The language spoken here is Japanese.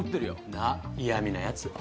なっ嫌みなやつ。